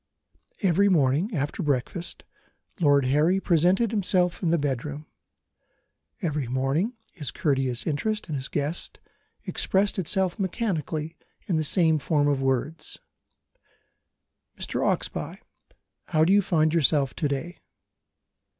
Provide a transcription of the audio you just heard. Every morning, after breakfast, Lord Harry presented himself in the bedroom. Every morning, his courteous interest in his guest expressed itself mechanically in the same form of words: "Mr. Oxbye, how do you find yourself to day?"